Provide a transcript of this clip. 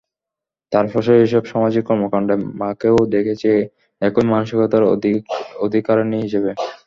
তাঁর পাশে এসব সামাজিক কর্মকাণ্ডে মাকেও দেখেছি একই মানসিকতার অধিকারিণী হিসেবে।